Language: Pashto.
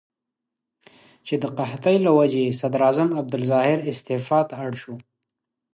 چې د قحطۍ له وجې صدراعظم عبدالظاهر استعفا ته اړ شو.